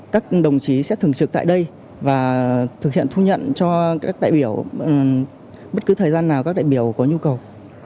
các đồng chí sẽ thường trực tại đây và thực hiện thu nhận cho các đại biểu bất cứ thời gian nào các đại biểu có nhu cầu